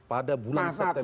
pada bulan september